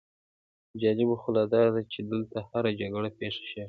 جالبه خو لا داده چې دلته هره جګړه پېښه شوې.